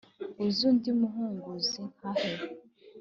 uteze undi muhunguzi nka he ?